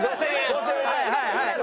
５０００円。